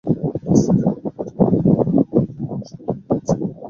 রাস্তায় যখন বাহির হইল তখন তাহার মন যেন অসাড় হইয়া গেছে।